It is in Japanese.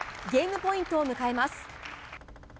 ゲームポイントを迎えます。